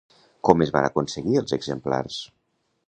Com es van aconseguir els exemplars?